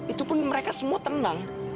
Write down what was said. itu pun mereka semua tenang